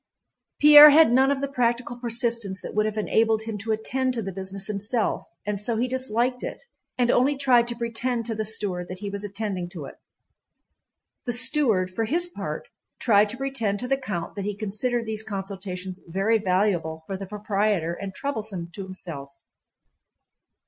Pierre had none of the practical persistence that would have enabled him to attend to the business himself and so he disliked it and only tried to pretend to the steward that he was attending to it. The steward for his part tried to pretend to the count that he considered these consultations very valuable for the proprietor and troublesome to himself.